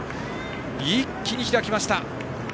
一気に開きました。